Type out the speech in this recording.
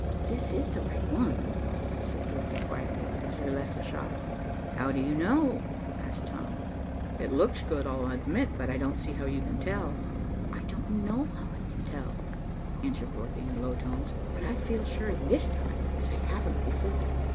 "This is the right one," said Dorothy quietly, as we left the shop. "How do you know?" asked Tom. "It looks good, I'll admit, but I don't see how you can tell." "I don't know how I can tell," answered Dorothy, in low tones, "but I feel sure, this time, as I haven't before."